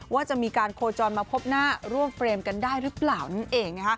ว่าจะมีการโคจรมาพบหน้าร่วมเฟรมกันได้หรือเปล่านั่นเอง